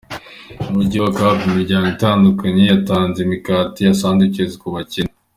Mu mujyi wa Cap, imiryango itandukanye yatanze imikati ya sandwiches ku bakene .